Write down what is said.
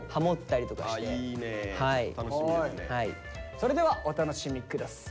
それではお楽しみ下さい。